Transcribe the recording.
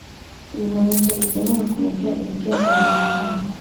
ibimenyetso bigenewe kuyobya ibigendera mu muhanda